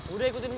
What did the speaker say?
udah ikutin gue